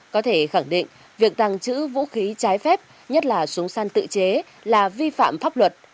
có thể khẳng định việc tàng trữ vũ khí trái phép nhất là súng săn tự chế là vi phạm pháp luật